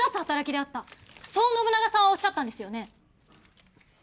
そう信長さんはおっしゃったんですよね？